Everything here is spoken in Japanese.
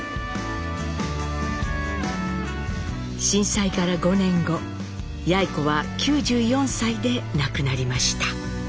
震災から５年後やい子は９４歳で亡くなりました。